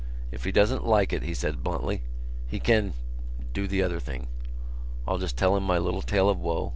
"If he doesn't like it," he said bluntly, "he can ... do the other thing. I'll just tell him my little tale of woe.